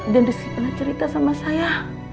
dan rizky pernah cerita sama saya